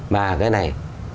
và cái này